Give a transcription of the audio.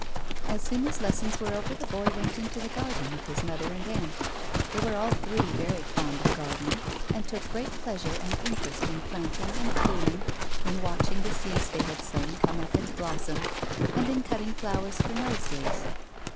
As soon as lessons were over the boy went into the garden with his mother and aunt. They were all three very fond of gardening, and took great pleasure and interest in planting and pruning, in watching the seeds they had sown come up and blossom, and in cutting flowers for nosegays.